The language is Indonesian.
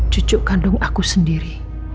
cucu kandung aku sendiri